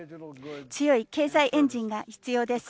強い経済エンジンが必要です。